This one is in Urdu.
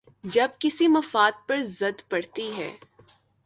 جب کسی مفاد پر زد پڑتی ہے۔